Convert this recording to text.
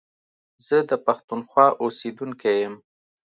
زه د پښتونخوا اوسېدونکی يم